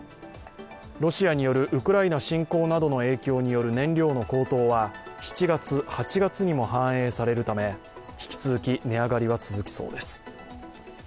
ロシアによるウクライナ侵攻などの影響による燃料の高騰は７月、８月にも反映されるため引き続き値上がりは続きそうです。